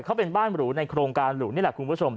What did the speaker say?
เขาเป็นบ้านหรูในโครงการหรูนี่แหละคุณผู้ชม